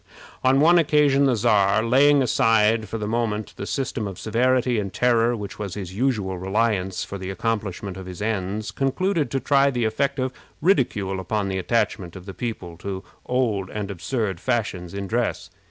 On one occasion the Czar, laying aside for the moment the system of severity and terror which was his usual reliance for the accomplishment of his ends, concluded to try the effect of ridicule upon the attachment of the people to old and absurd fashions in dress.